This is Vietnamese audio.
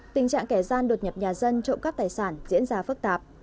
tình trạng kẻ gian đột nhập nhà dân trộm cắp tài sản diễn ra phức tạp